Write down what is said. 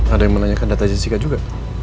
ada yang menanyakan data jessica juga